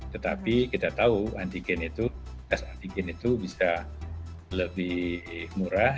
tetapi kita tahu antigen itu tes antigen itu bisa lebih murah